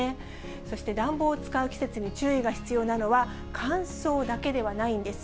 そして暖房を使う季節に注意が必要なのは、乾燥だけではないんです。